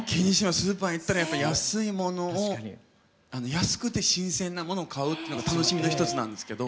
スーパーに行ったらやっぱり安くて新鮮なものを買うっていうのが楽しみの一つなんですけど。